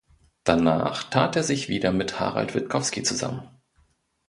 Danach tat er sich wieder mit Harald Wittkowski zusammen.